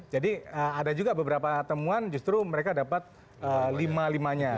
jadi ada juga beberapa temuan justru mereka dapat lima limanya